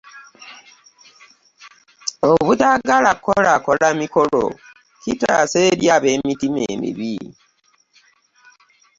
obutaagala kkolaakola mikolo kitaasa eri ab'emitima emibi.